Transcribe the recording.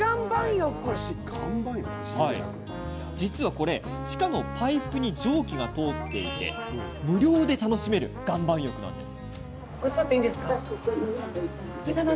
実はこれ地下のパイプに蒸気が通っていて無料で楽しめる岩盤浴なんです。